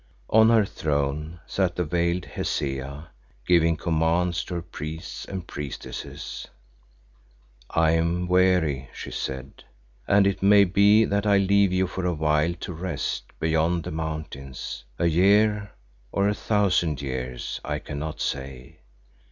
On her throne sat the veiled Hesea, giving commands to her priests and priestesses. "I am weary," she said, "and it may be that I leave you for a while to rest beyond the mountains. A year, or a thousand years I cannot say.